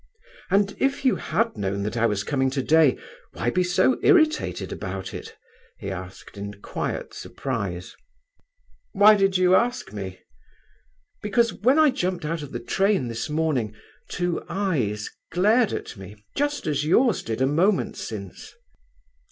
"And if you had known that I was coming today, why be so irritated about it?" he asked, in quiet surprise. "Why did you ask me?" "Because when I jumped out of the train this morning, two eyes glared at me just as yours did a moment since."